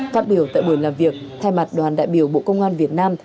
phát biểu tại buổi làm việc thay mặt đoàn đại biểu bộ công an việt nam